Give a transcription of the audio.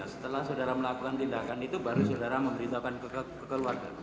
setelah saudara melakukan tindakan itu baru saudara memberitahukan ke keluarga